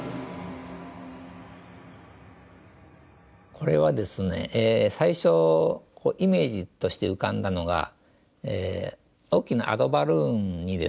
これはですね最初イメージとして浮かんだのが大きなアドバルーンにですね